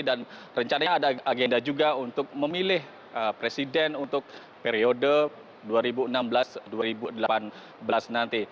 dan rencananya ada agenda juga untuk memilih presiden untuk periode dua ribu enam belas dua ribu delapan belas nanti